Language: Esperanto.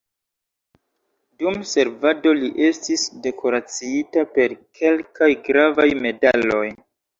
Dum servado li estis dekoraciita per kelkaj gravaj medaloj.